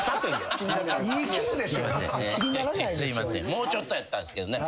もうちょっとやったんすけどね。